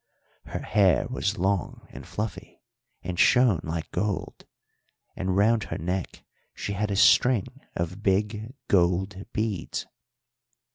Her hair was long and fluffy, and shone like gold, and round her neck she had a string of big gold beads.